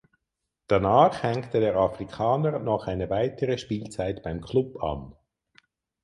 Danach hängte der Afrikaner noch eine weitere Spielzeit beim Klub an.